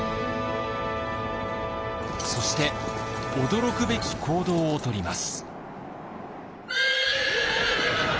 そして驚くべき行動をとります。